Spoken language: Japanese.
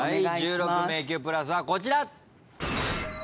１６迷宮プラスはこちら。